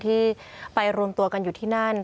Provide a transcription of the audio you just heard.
ที่ไปรวมตัวกันอยู่ที่นั่น